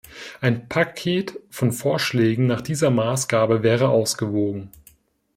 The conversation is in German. Ein Paket von Vorschlägen nach dieser Maßgabe wäre ausgewogen.